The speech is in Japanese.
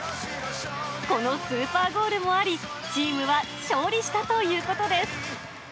このスーパーゴールもあり、チームは勝利したということです。